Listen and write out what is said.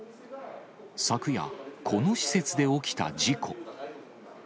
昨夜、この施設で起きた事故。